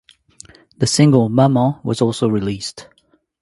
The single "Maman" was also released.